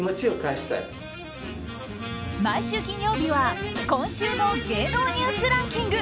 毎週金曜日は今週の芸能ニュースランキング。